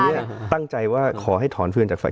เนี้ยตั้งใจว่าขอให้ถอนฟืนจากฝ่าย